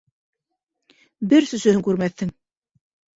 Бер сөсөһөн күрмәҫһең.